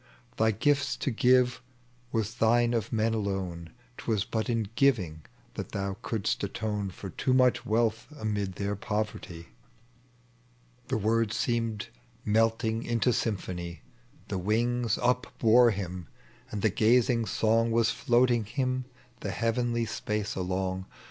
Thy gifts to give was thine of men alone : 'Twas but in giving that thou couldst atone For too much wealth amid their poverty." — The words seemed melting into symphony. The wings upbore him, and the gazing song Was floating Tiim the heavenly spaee along.